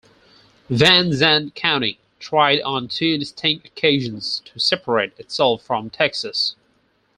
Van Zandt County tried on two distinct occasions to separate itself from Texas.